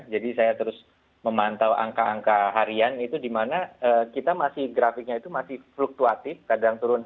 jadi saya terus memantau angka angka harian itu di mana kita masih grafiknya itu masih fluktuatif kadang turun